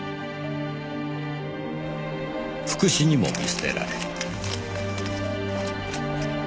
福祉にも見捨てられ。